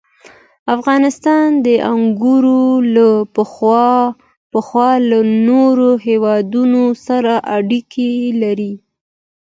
افغانستان د انګورو له پلوه له نورو هېوادونو سره اړیکې لري.